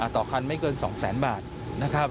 ต่อคันไม่เกิน๒แสนบาทนะครับ